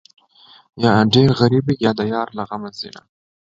یا ډېر غریب وي، یا د یار له غمه ځینه